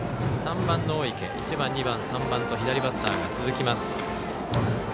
３番の大池１番、２番、３番と左バッターが続きます。